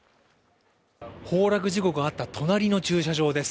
崩落事故があった隣の駐車場です。